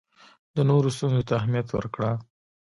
د نورو ستونزو ته اهمیت ورکړه.